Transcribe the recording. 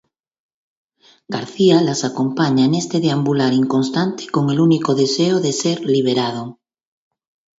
García las acompaña en este deambular inconstante con el único deseo de ser liberado.